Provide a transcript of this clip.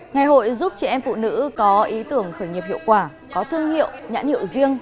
ngày hội giúp chị em phụ nữ có ý tưởng khởi nghiệp hiệu quả có thương hiệu nhãn hiệu riêng